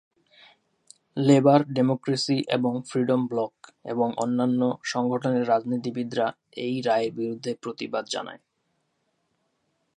Labour, Democracy এবং Freedom Bloc এবং অন্যান্য সংগঠনের রাজনীতিবিদরা এই রায়ের বিরুদ্ধে প্রতিবাদ জানায়।